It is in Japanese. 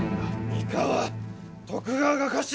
三河徳川が家臣！